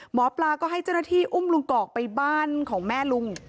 หมอปลาก็ให้เจ้าหน้าที่อุ้มลุงกอกไปบ้านของแม่ลุง